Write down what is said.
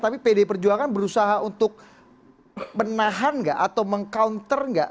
tapi pd perjuangan berusaha untuk menahan gak atau meng counter gak